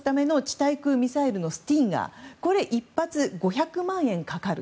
対空ミサイルのスティンガーは１発５００万円かかる。